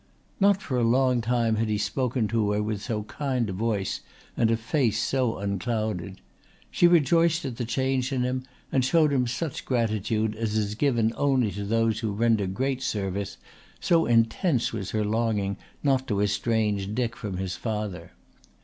Not for a long time had he spoken to her with so kind a voice and a face so unclouded. She rejoiced at the change in him and showed him such gratitude as is given only to those who render great service, so intense was her longing not to estrange Dick from his father.